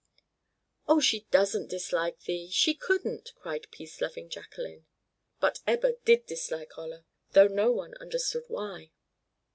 "Oh, she doesn't dislike thee, she couldn't!" cried peace loving Jacqueline. But Ebba did dislike Olla, though no one understood why.